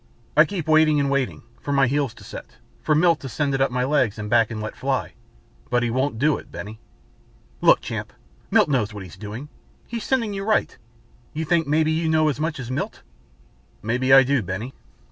I keep waiting, and waiting, for my heels to set; for Milt to send it up my legs and back and let fly. But he won't do it, Benny." "Look, Champ, Milt knows what he's doing. He's sending you right. You think maybe you know as much as Milt?" "Maybe I just do, Benny.